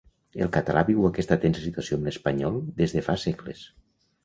El català viu aquesta tensa situació amb l'espanyol des de fa segles.